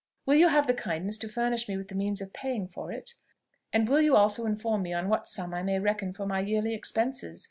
Will you have the kindness to furnish me with the means of paying for it? and will you also inform me on what sum I may reckon for my yearly expenses?